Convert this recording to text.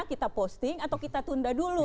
kita posting atau kita tunda dulu